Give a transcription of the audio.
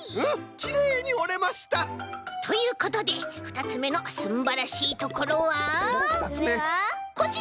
きれいにおれました！ということでふたつめのすんばらしいところはこちら！